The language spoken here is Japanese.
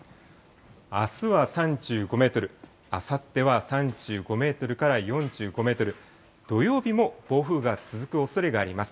あすは３５メートル、あさっては３５メートルから４５メートル、土曜日も暴風が続くおそれがあります。